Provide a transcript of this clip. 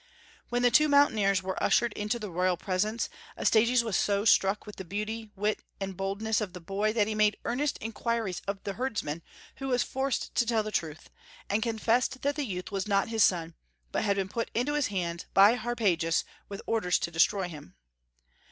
When the two mountaineers were ushered into the royal presence, Astyages was so struck with the beauty, wit, and boldness of the boy that he made earnest inquiries of the herdsman, who was forced to tell the truth, and confessed that the youth was not his son, but had been put into his hands by Harpagus with orders to destroy him.